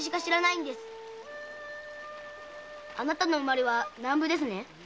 あなたの生まれは南部ですね？